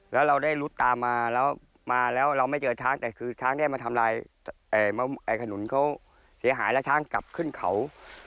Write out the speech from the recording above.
แล้วเราได้รุดตามมาแล้วมาแล้วเราไม่เจอช้างแต่คือช้างเนี่ยมาทำลายขนุนเขาเสียหายแล้วช้างกลับขึ้นเขา